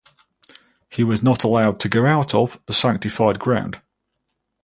He was not allowed to go out of the sanctified ground.